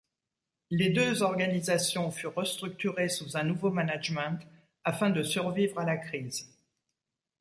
Les deux organisations furent restructurées sous un nouveau management, afin de survivre la crise.